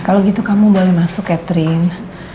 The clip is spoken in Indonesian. kalo gitu kamu boleh masuk catherine